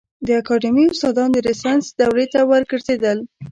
د اکاډمي استادان د رنسانس دورې ته وګرځېدل.